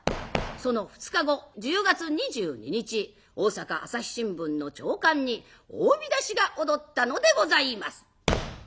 その２日後１０月２２日「大阪朝日新聞」の朝刊に大見出しが躍ったのでございます。